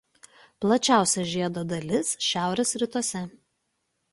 Plačiausia žiedo dalis šiaurės rytuose.